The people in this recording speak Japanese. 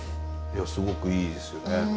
いやすごくいいですよね。